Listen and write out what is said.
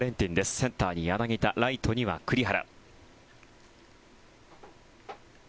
センターに柳田ライトには栗原。